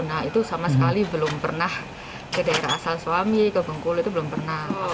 nah itu sama sekali belum pernah ke daerah asal suami ke bengkulu itu belum pernah